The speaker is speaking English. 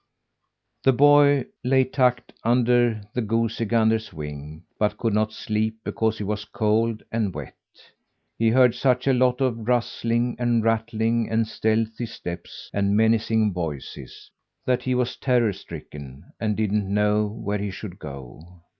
The boy lay tucked in under the goosey gander's wing, but could not sleep because he was cold and wet. He heard such a lot of rustling and rattling and stealthy steps and menacing voices, that he was terror stricken and didn't know where he should go.